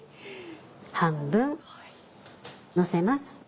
半分のせます。